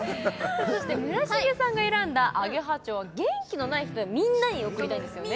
そして村重さんが選んだ「アゲハ蝶」元気のない人へみんなに贈りたいんですよね？